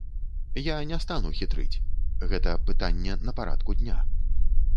Я не стану хітрыць, гэта пытанне на парадку дня.